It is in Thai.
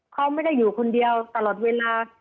เขาไม่ได้อยู่คนเดียวตลอดเวลา